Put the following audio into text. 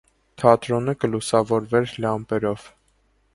Թատրոնը կը լուսաւորուէր լամբերով։